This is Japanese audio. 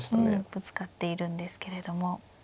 ぶつかっているんですけれども。